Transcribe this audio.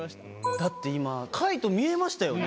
だって今カイト見えましたよね。